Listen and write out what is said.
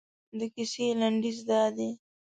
د کیسې لنډیز دادی.